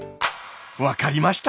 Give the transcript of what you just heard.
分かりました？